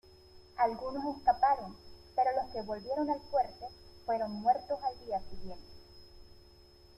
Algunos escaparon, pero los que volvieron al fuerte, fueron muertos al día siguiente.